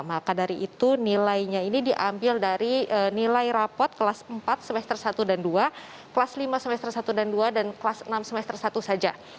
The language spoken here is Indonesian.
maka dari itu nilainya ini diambil dari nilai rapot kelas empat semester satu dan dua kelas lima semester satu dan dua dan kelas enam semester satu saja